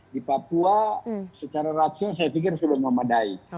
di papua secara rasio saya pikir sudah memadai